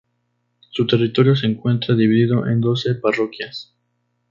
Su territorio se encuentra dividido en doce parroquias.